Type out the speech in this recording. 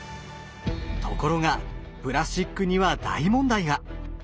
ところがプラスチックには大問題が。